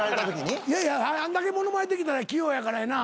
いやいやあんだけ物まねできたら器用やからやな